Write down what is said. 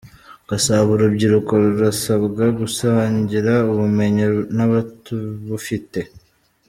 Gasabo Urubyiruko rurasabwa gusangira ubumenyi n’abatabufite